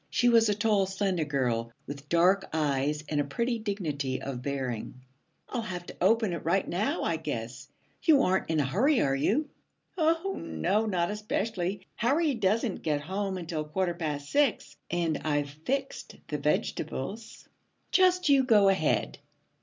She was a tall, slender girl, with dark eyes and a pretty dignity of bearing. 'I'll have to open it right now, I guess. You aren't in a hurry, are you?' 'Oh, no, not especially. Harry doesn't get home until quarter past six, and I've fixed the vegetables. Just you go ahead.'